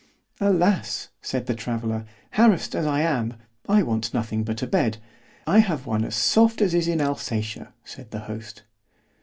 —— Alas! said the traveller, harassed as I am, I want nothing but a bed.——I have one as soft as is in Alsatia, said the host.